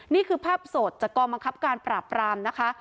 นี่คือภาพสดจากกองบังคับการปราบรามนะคะ